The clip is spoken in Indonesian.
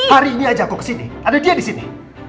hari ini aja aku kesini ada dia di sini